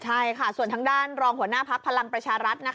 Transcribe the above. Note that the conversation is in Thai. ใช่ค่ะส่วนทางด้านรองหัวหน้าพักพลังประชารัฐ